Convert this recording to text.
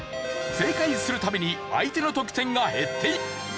正解する度に相手の得点が減っていく。